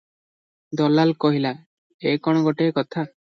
ଦଲାଲ କହିଲା, "ଏ କଣ ଗୋଟାଏ କଥା?